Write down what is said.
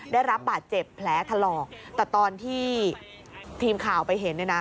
ได้รับบาดเจ็บแผลถลอกแต่ตอนที่ทีมข่าวไปเห็นเนี่ยนะ